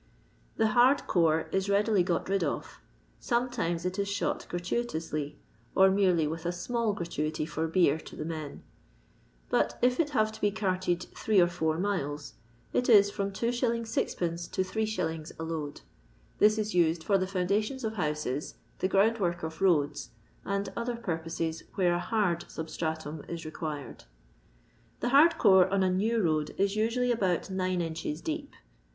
The " hvHLcov^ is readily got rid of; some times it is shot gratuitously (or merely with a ■mall gratuity for beer to the men) ; but if it have to be carted three or four miles, it is from 2«. 6<2. to 8s. a load. This is used for the foundations of houses, the groundwork of roads, and other pur poses where a hard substratum is required. The hard core on a new road is usually about nine inches deep.